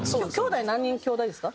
何人きょうだいですか？